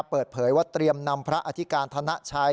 เปิดเผยว่าเตรียมนำพระอธิการธนชัย